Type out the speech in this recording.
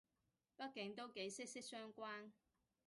畢竟都幾息息相關